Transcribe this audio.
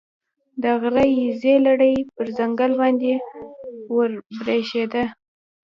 د غره ییزې لړۍ پر ځنګل باندې وبرېښېده.